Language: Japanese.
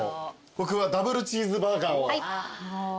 僕はダブルチーズバーガーを。